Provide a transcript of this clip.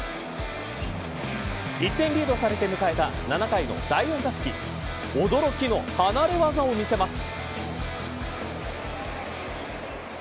１点リードされて迎えた７回の第４打席驚きの離れ技を見せます。